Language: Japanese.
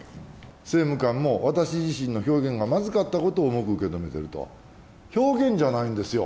政務官も、私自身の表現がまずかったことを重く受け止めていると、表現じゃないんですよ。